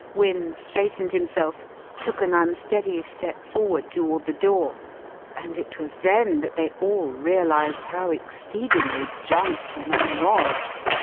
Wynne straightened himself, took an unsteady step forward toward the door, and it was then that they all realized how exceedingly drunk the man was.